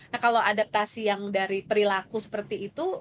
nah kalau adaptasi yang dari perilaku seperti itu